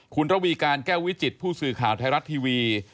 คุณระวีการแก้ววิจิตผู้สื่อข่าวไทยรัฐทีวี